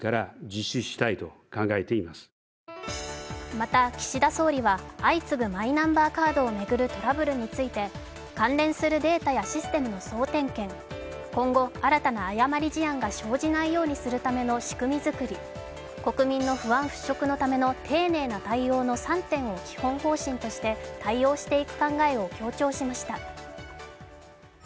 また岸田総理は、相次ぐマイナンバーカードを巡るトラブルについて関連するデータやシステムの総点検、今後、新たな誤り事案が生じないようにするための仕組み作り、国民の不安払拭のための丁寧な対応の３点を基本方針として対応していく考えを強調しました。